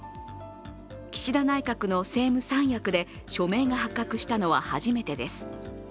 岸田内閣の政務三役で署名が発覚したのは初めてです。